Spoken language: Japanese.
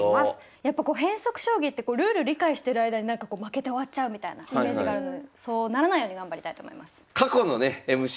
やっぱこう変則将棋ってルール理解してる間に負けて終わっちゃうみたいなイメージがあるのでそうならないように頑張りたいと思います。